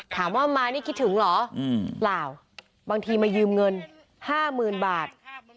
ถามว่ามานี่คิดถึงเหรอเปล่าบางทีมายืมเงิน๕๐๐๐บาท